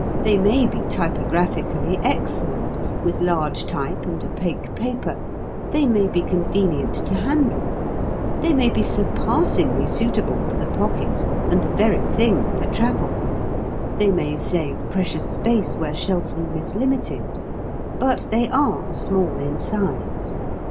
They may be typographically excellent, with large type and opaque paper; they may be convenient to handle; they may be surpassingly suitable for the pocket and the very thing for travel; they may save precious space where shelf room is limited; but they are small in size.